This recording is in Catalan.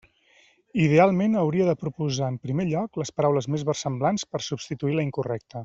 Idealment, hauria de proposar en primer lloc les paraules més versemblants per substituir la incorrecta.